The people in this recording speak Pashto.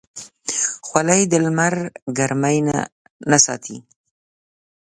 خولۍ د لمر ګرمۍ نه ساتي.